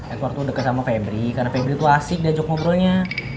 edward tuh deket sama pebri karena pebri tuh asik dia jok ngobrolnya